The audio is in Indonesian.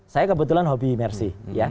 saya kebetulan hobi imersi